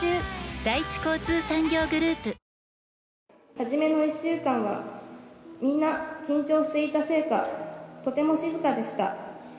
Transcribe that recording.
初めの１週間はみんな緊張していたせいかとても静かでした。